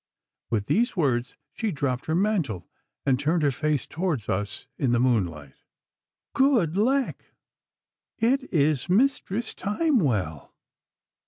With these words she dropped her mantle and turned her face towards us in the moonlight. 'Good lack! it is Mistress Timewell!